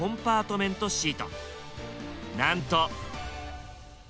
なんと。